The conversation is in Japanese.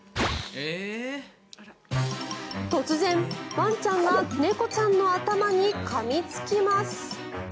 突然、ワンちゃんが猫ちゃんの頭にかみつきます。